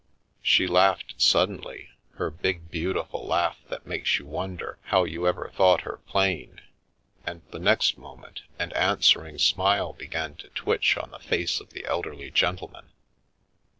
She laughed suddenly, her big beautiful laugh that makes you wonder how you ever thought her plain, and the next moment an answering smile began to twitch on the face of the elderly gentleman.